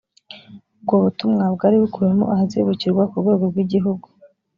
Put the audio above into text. ubwo butumwa bwari bukubiyemo ahazibukirwa ku rwego rw igihugu